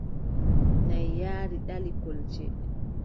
Naʼi nyaari ɗali kolce.